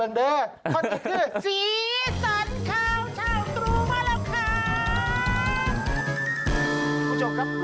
สวัสดีครับ